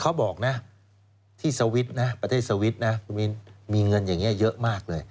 เขาบอกนะที่สวิตช์นะประเทศสวิตช์นะคุณมินมีเงินอย่างนี้เยอะมากเลย